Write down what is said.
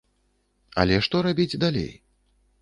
Але што рабіць далей?